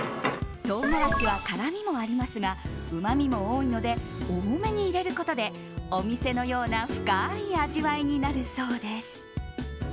唐辛子は辛みもありますがうまみも多いので多めに入れることでお店のような深い味わいになるそうです。